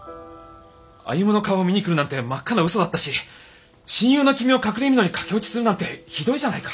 歩の顔を見に来るなんて真っ赤な嘘だったし親友の君を隠れみのに駆け落ちするなんてひどいじゃないか。